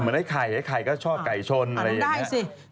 ไอ้ไข่ไอ้ไข่ก็ชอบไก่ชนอะไรอย่างนี้